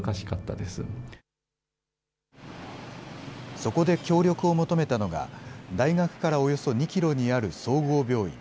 そこで協力を求めたのが、大学からおよそ２キロにある総合病院。